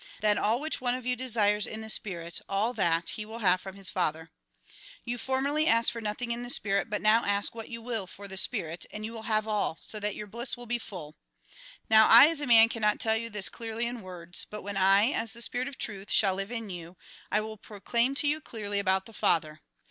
Then all which one of you desires in the spirit, all that he will have from his Father. " You formerly asked for nothing for the spirit ; but now ask what you wUl for the spirit, and you will have all ; so that your bliss will be full. Now I, as a man, cannot tell you this clearly in words, but when I, as the spirit of truth, shall live in you, I will proclaim to you clearly about the Father.